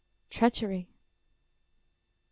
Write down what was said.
treachery! ...